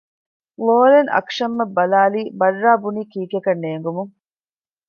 ލޯރެން އަކްޝަމް އަށް ބަލާލީ ބައްރާ ބުނީ ކީކޭކަން ނޭނގުމުން